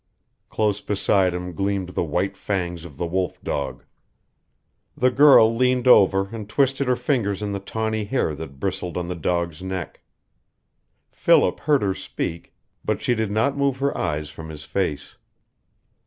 Close beside him gleamed the white fangs of the wolf dog. The girl leaned over and twisted her fingers in the tawny hair that bristled on the dog's neck. Philip heard her speak, but she did not move her eyes from his face.